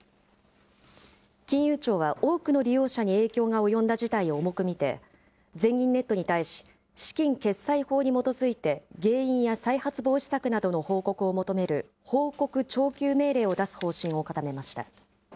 金融庁は、多くの利用者に影響が及んだ事態を重く見て、全銀ネットに対し、資金決済法に基づいて原因や再発防止策などの報告を求める報告徴求命令を出す方針を固めました。